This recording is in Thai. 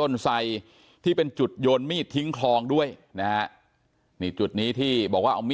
ต้นไสที่เป็นจุดโยนมีดทิ้งคลองด้วยนะฮะนี่จุดนี้ที่บอกว่าเอามีด